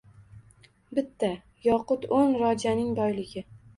Bitta yoqut oʻn rojaning boyligi